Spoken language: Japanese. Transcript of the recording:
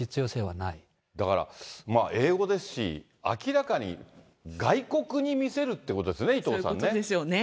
だからまあ、英語ですし、明らかに外国に見せるっていうことですよね、伊藤さんね。